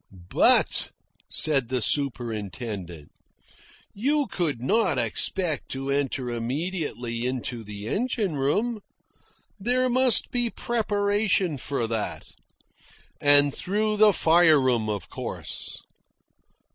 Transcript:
"But," said the superintendent, "you could not expect to enter immediately into the engine room. There must be preparation for that. And through the fire room, of course.